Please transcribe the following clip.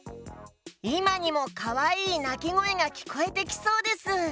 いまにもかわいいなきごえがきこえてきそうです。